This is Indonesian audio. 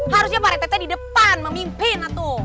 harusnya parete tadi di depan memimpin lah tuh